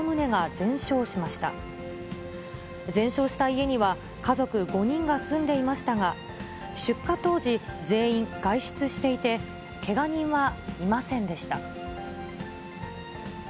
全焼した家には家族５人が住んでいましたが、出火当時、全員、外出していて、けが人はいませんでした。